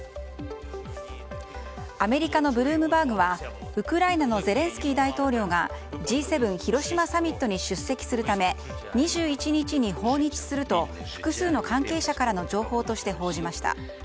アメリカのブルームバーグはウクライナのゼレンスキー大統領がＧ７広島サミットに出席するため２１日に訪日すると複数の関係者からの情報として報じました。